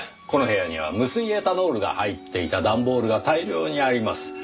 この部屋には無水エタノールが入っていた段ボールが大量にあります。